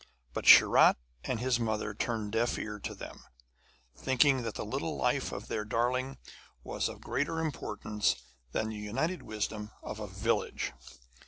But Sharat and his mother turned a deaf ear to them, thinking that the little life of their darling was of greater importance than the united wisdom of a village.